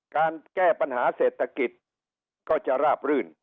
การแก้ปัญหาเศรษฐกิจก็จะราบรื่น